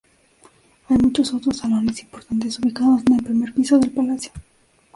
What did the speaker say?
Hay muchos otros salones importantes ubicados en el primer piso del palacio.